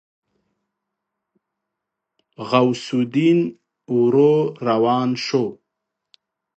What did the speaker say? غوث الدين ورو روان شو.